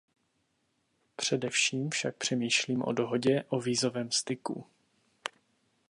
Především však přemýšlím o dohodě o vízovém styku.